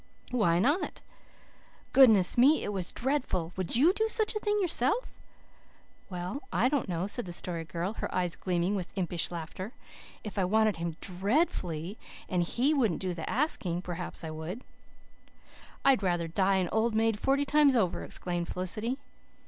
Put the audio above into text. "Why not?" "Goodness me, it was dreadful! Would YOU do such a thing yourself?" "Well, I don't know," said the Story Girl, her eyes gleaming with impish laughter. "If I wanted him DREADFULLY, and HE wouldn't do the asking, perhaps I would." "I'd rather die an old maid forty times over," exclaimed Felicity.